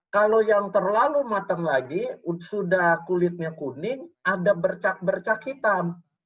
kalau yang terlalu matang lagi sudah kulitnya kuning ada bercak bercak hitam